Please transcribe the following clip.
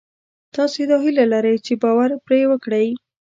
تاسې دا هیله لرئ چې باور پرې وکړئ